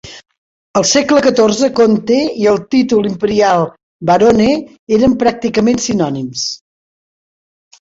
Al segle XIV, "conte" i el títol imperial "barone" eren pràcticament sinònims.